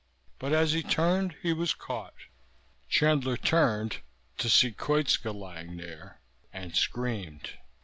But as he turned he was caught. Chandler turned to see Koitska lying there, and screamed.